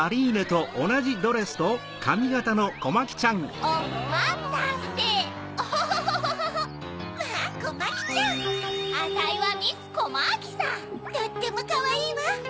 とってもかわいいわ！